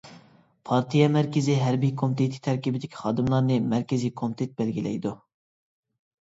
پارتىيە مەركىزىي ھەربىي كومىتېتى تەركىبىدىكى خادىملارنى مەركىزىي كومىتېت بەلگىلەيدۇ.